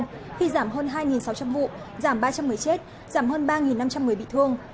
khi giảm hơn hai sáu trăm linh vụ giảm ba trăm linh người chết giảm hơn ba năm trăm linh người bị thương